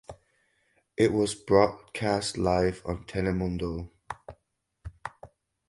It was broadcast live on Telemundo.